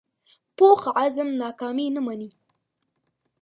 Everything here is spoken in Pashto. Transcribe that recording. پوخ عزم ناکامي نه مني